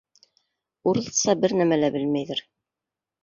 Урыҫса бер нәмә лә белмәйҙәр.